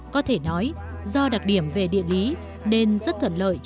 có thể nói do đặc điểm về địa lý nên rất thuận lợi